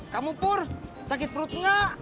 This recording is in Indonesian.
kamu pur sakit perut enggak